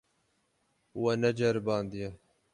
We neceribandiye.